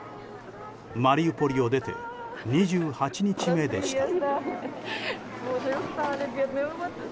マリウポリを出て２８日目でした。